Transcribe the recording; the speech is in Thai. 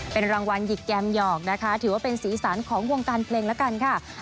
เป็นรางวัลหยิกแกมหยอกนะคะถือว่าเป็นสีสันของวงการเพลงแล้วกันค่ะ